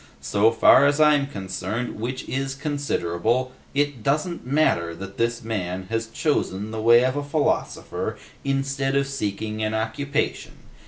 So far as I'm concerned, which is considerable, it doesn't matter that this man has chosen the way of a philosopher instead of seeking an occupation.